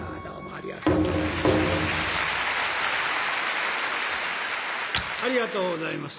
ありがとうございます。